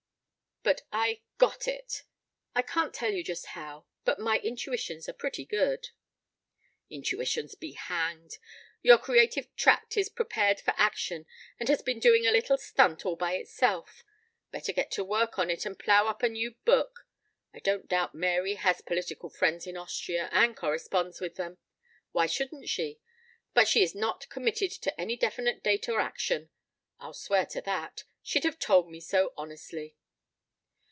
But I 'got' it. I can't tell you just how, but my intuitions are pretty good." "Intuitions be hanged. Your creative tract is prepared for action and has been doing a little stunt all by itself. Better get to work on it and plough up a new book. I don't doubt Mary has political friends in Austria, and corresponds with them. Why shouldn't she? But she's not committed to any definite date or action. I'll swear to that. She'd have told me so honestly."